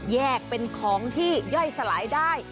แยกเป็นของที่ย่อยสลายได้